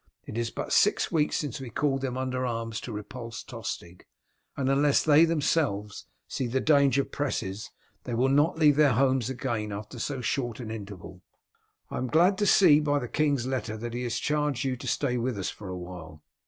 It is but six weeks since we called them under arms to repulse Tostig, and unless they themselves see the danger presses they will not leave their homes again after so short an interval. I am glad to see by the king's letter that he has charged you to stay with us for a while.